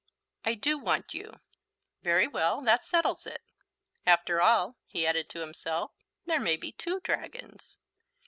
"I do want you." "Very well, that settles it. After all," he added to himself, "there may be two dragons."